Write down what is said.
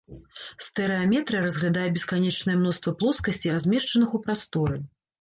Стэрэаметрыя разглядае бесканечнае мноства плоскасцей, размешчаных у прасторы.